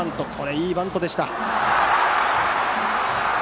いいバントでした。